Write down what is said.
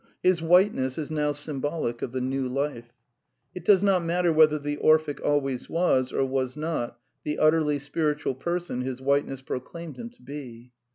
His whiteness is now symbolic of the New Life. It does not matter whether the Orphic always was or was not the utterly spiritual person his whiteness proclaimed him to be.